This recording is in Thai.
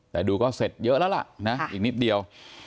แต่ดูก็เสร็จเยอะแล้วล่ะนะอีกนิดเดียว